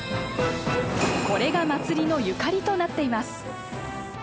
これが祭りのゆかりとなっています。